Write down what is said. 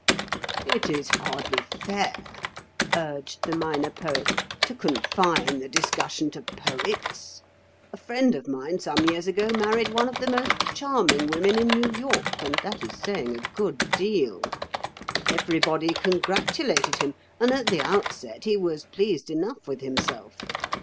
"It is hardly fair," urged the Minor Poet, "to confine the discussion to poets. A friend of mine some years ago married one of the most charming women in New York, and that is saying a good deal. Everybody congratulated him, and at the outset he was pleased enough with himself.